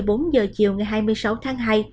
khoảng một mươi bốn giờ chiều ngày hai mươi sáu tháng hai